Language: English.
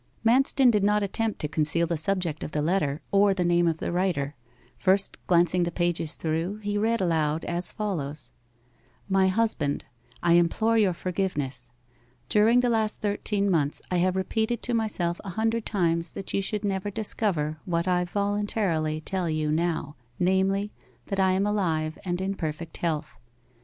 Manston did not attempt to conceal the subject of the letter, or the name of the writer. First glancing the pages through, he read aloud as follows: '"MY HUSBAND, I implore your forgiveness. '"During the last thirteen months I have repeated to myself a hundred times that you should never discover what I voluntarily tell you now, namely, that I am alive and in perfect health.